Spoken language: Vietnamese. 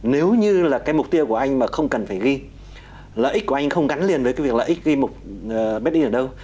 nếu như là cái mục tiêu của anh mà không cần phải ghi lợi ích của anh không gắn liền với cái việc lợi ích ghi made in ở đâu